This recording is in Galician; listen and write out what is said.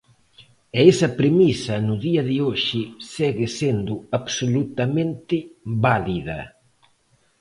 E esa premisa no día de hoxe segue sendo absolutamente válida.